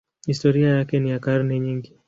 Historia yake ni ya karne nyingi.